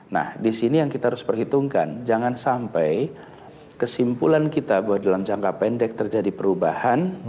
nah di sini yang kita harus perhitungkan jangan sampai kesimpulan kita bahwa dalam jangka pendek terjadi perubahan